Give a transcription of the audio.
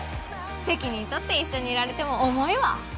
責任取って一緒にいられても重いわ